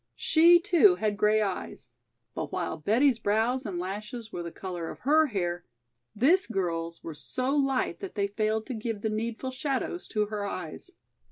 She too had gray eyes, but while Betty's brows and lashes were the color of her hair, this girl's were so light that they failed to give the needful shadows to her eyes.